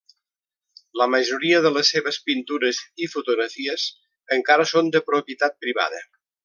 La majoria de les seves pintures i fotografies encara són de propietat privada.